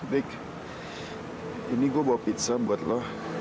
dik ini gue bawa pizza buat lo